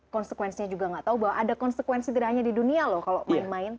konsekuensinya juga nggak tahu bahwa ada konsekuensi tidak hanya di dunia loh kalau main main